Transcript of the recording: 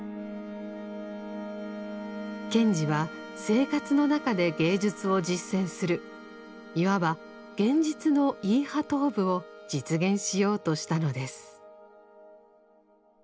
賢治は生活の中で芸術を実践するいわば現実の「イーハトーブ」を実現しようとしたのです。